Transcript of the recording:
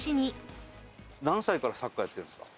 何歳からサッカーやってるんですか？